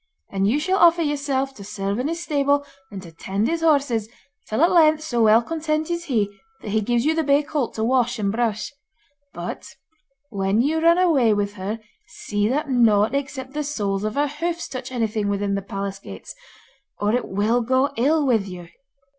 And you shall offer yourself to serve in his stable, and to tend his horses, till at length so well content is he, that he gives you the bay colt to wash and brush. But when you run away with her see that nought except the soles of her hoofs touch anything within the palace gates, or it will go ill with you.